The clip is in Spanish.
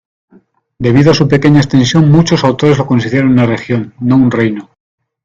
Debido a su pequeña extensión, muchos autores lo consideran una región, no un reino.